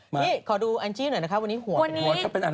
พี่ขอดูแอนจี้หน่อยนะคะวันนี้หัวเขาเป็นอะไร